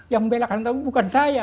yang membela kasus santa cruz bukan saya